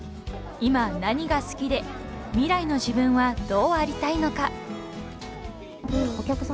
［今何が好きで未来の自分はどうありたいのか］